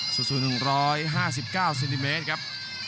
สูตรสูตร๑๕๙ซินติเมตรครับ